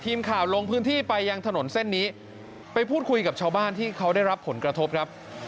ทีมข่าวลงพื้นที่ไปยังถนนเส้นนี้ไปพูดคุยกับชาวบ้านที่เขาได้รับผลกระทบครับ